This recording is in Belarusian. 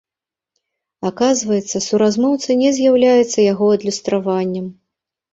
Аказваецца суразмоўца не з'яўляецца яго адлюстраваннем.